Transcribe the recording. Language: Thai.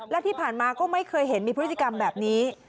และที่ผ่านมาก็ไม่เคยเห็นมีพฤติกรรมแบบนี้